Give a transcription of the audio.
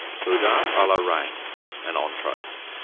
BOUDIN A LA REINE (an Entree).